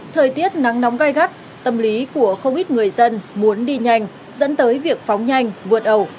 thời tiết nắng nóng gai gắt tâm lý của không ít người dân muốn đi nhanh dẫn tới việc phóng nhanh vượt ẩu